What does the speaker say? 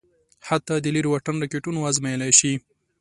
حتی د لېرې واټن راکېټونه ازمايلای شي.